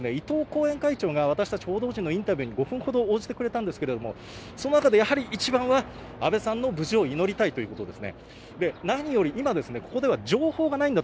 先ほど２時過ぎいとう後援会長が私達報道陣のインタビューに５分ほど応じてくれたんですけれどもその中で一番は安倍さんの無事を祈りたいということです。